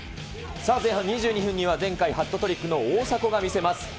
さあ、前半２２分には前回、ハットトリックの大迫が見せます。